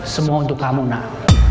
semua untuk kamu nak